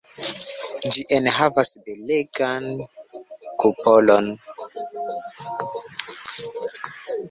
Ĝi enhavas belegan kupolon.